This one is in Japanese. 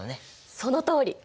そのとおり！